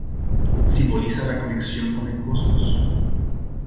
Simboliza la conexión con el cosmos.